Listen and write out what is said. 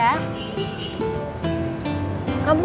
kamu gak mau satu satu